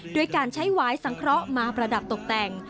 ด้วยการใช้วายสังเคราะห์มาประดับตกแต่ง